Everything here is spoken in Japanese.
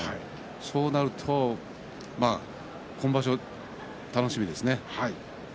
そうなると今場所、楽しみですね。